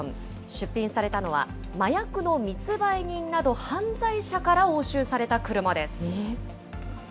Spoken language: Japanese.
出品されたのは、麻薬の密売人など犯罪者から押収された車です。